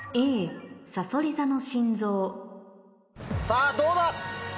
さぁどうだ？